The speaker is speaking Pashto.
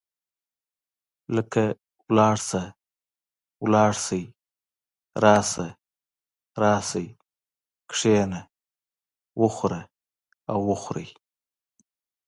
لکه لاړ شه، لاړ شئ، راشه، راشئ، کښېنه، وخوره او وخورئ.